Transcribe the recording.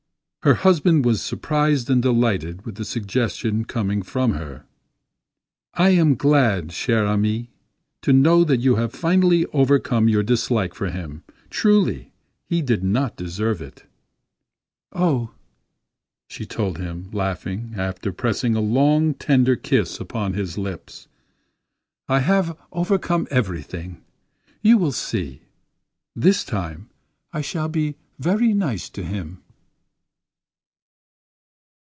Her husband was surprised and delighted with the suggestion coming from her. "I am glad, chère amie, to know that you have finally overcome your dislike for him; truly he did not deserve it." "Oh," she told him, laughingly, after pressing a long, tender kiss upon his lips, "I have overcome everything! you will see. This time I shall be very nice to him."